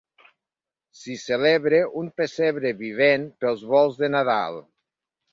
S'hi celebra un pessebre vivent pels volts de Nadal.